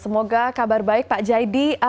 semoga kabar baik pak jaidi